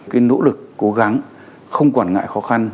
cái nỗ lực cố gắng không quản ngại khó khăn